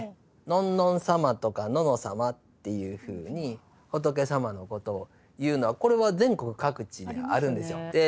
「のんのん様」とか「のの様」っていうふうに仏様のことを言うのはこれは全国各地にあるんですよ。ありますね。